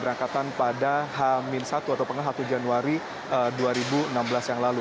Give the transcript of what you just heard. dengan kedatangan atau keberangkatan pada h satu atau pengalaman satu januari dua ribu enam belas yang lalu